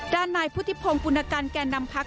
ด้านนายพุทธิพงณ์ภูมิการแก่นำพัก